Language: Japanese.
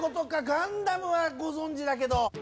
ガンダムはご存じだけど。